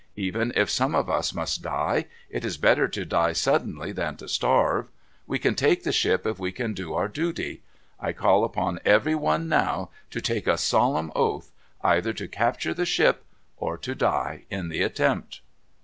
Even if some of us must die, it is better to die suddenly than to starve. We can take the ship if we all do our duty. I call upon every one now to take a solemn oath either to capture the ship or to die in the attempt."